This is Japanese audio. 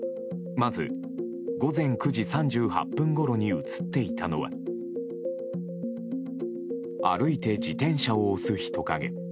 まず午前９時３８分ごろに映っていたのは歩いて自転車を押す人影。